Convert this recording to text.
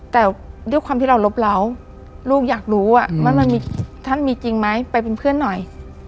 แต่ด้วยความที่เรารบเล้าลูกอยากรู้ว่ามันมีท่านมีจริงไหมไปเป็นเพื่อนหน่อย